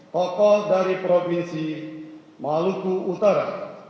tokoh dari provinsi maluku utara